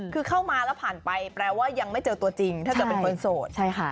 คือเข้ามาแล้วผ่านไปแปลว่ายังไม่เจอตัวจริงถ้าเกิดเป็นคนโสดใช่ค่ะ